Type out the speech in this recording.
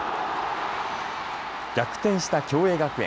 逆転した共栄学園。